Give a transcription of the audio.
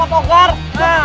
yaudah dikit aja pak